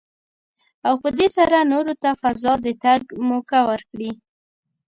او په دې سره نورو ته فضا ته د تګ موکه ورکړي.